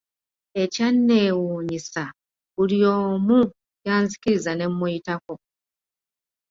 Ekyanneewuunyisa, buli omu, yanzikiriza ne muyitako!